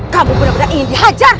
kamu benar benar ingin dihajar